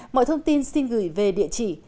mọi thông tin xin gửi về địa chỉ